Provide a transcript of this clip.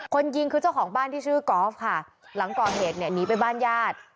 คนยิงคือเจ้าของบ้านที่ชื่อกอล์ฟค่ะหลังก่อเหตุเนี่ยหนีไปบ้านญาติ